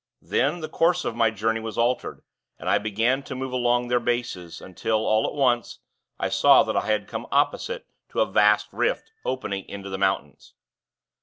Then, the course of my journey was altered, and I began to move along their bases, until, all at once, I saw that I had come opposite to a vast rift, opening into the mountains.